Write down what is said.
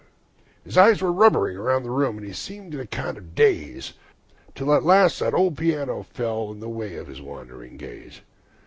His eyes went rubbering round the room, and he seemed in a kind of daze, Till at last that old piano fell in the way of his wandering gaze.